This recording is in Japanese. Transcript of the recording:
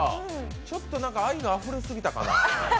ちょっと愛があふれすぎたかな。